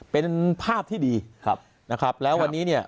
เป็นภาพที่ดีครับนะครับแล้ววันนี้เนี่ย